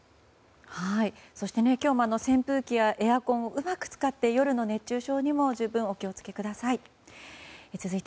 そして、今日も扇風機やエアコンなどをうまく使って夜の熱中症にも十分お気を付けください。